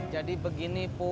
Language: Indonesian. jadi begini puan